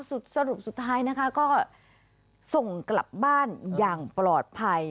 สรุปสุดท้ายนะคะก็ส่งกลับบ้านอย่างปลอดภัย